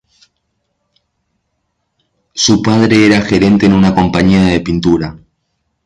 Su padre era gerente en una compañía de pintura.